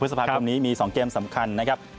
พฤษภาคมนี้มี๒เกมสำคัญนะครับ